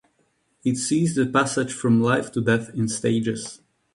It sees the passage from life to death in stages.